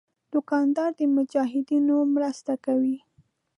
دوکاندار د مجاهدینو مرسته کوي.